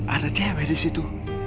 ada cewek di situ